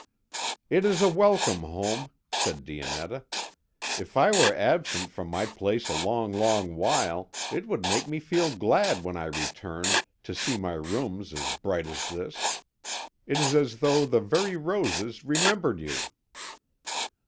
"It is a welcome home," said Dionetta. "If I were absent from my place a long, long while, it would make me feel glad when I returned, to see my rooms as bright as this. It is as though the very roses remembered you."